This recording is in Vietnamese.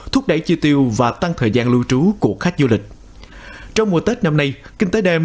thúc đẩy chi tiêu và tăng thời gian lưu trú của khách du lịch trong mùa tết năm nay kinh tế đêm